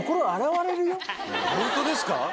ホントですか？